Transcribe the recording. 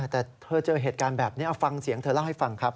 แต่เธอเจอเหตุการณ์แบบนี้เอาฟังเสียงเธอเล่าให้ฟังครับ